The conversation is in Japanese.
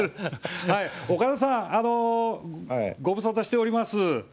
岡田さん、ご無沙汰しております。